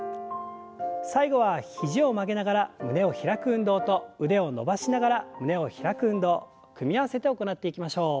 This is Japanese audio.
最後は肘を曲げながら胸を開く運動と腕を伸ばしながら胸を開く運動組み合わせて行っていきましょう。